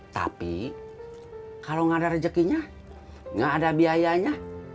tapi kalau gak ada rejekinya gak ada biayanya